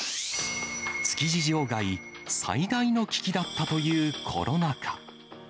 築地場外最大の危機だったというコロナ禍。